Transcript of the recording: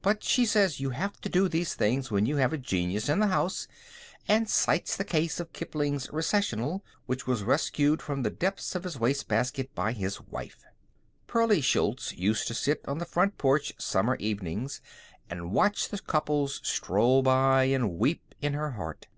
But she says you have to do these things when you have a genius in the house, and cites the case of Kipling's "Recessional," which was rescued from the depths of his wastebasket by his wife.) Pearlie Schultz used to sit on the front porch summer evenings and watch the couples stroll by, and weep in her heart.